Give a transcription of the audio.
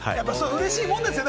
うれしいもんですよね。